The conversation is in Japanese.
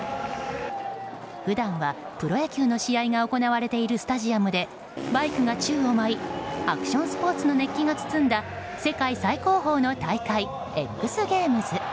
普段はプロ野球の試合が行われているスタジアムでバイクが宙を舞いアクションスポーツの熱気が包んだ世界最高峰の大会ＸＧＡＭＥＳ。